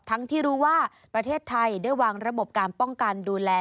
ที่รู้ว่าประเทศไทยได้วางระบบการป้องกันดูแล